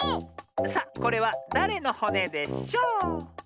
さあこれはだれのほねでしょう？